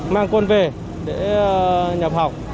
mang quân về để nhập học